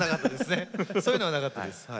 そういうのはなかったですね。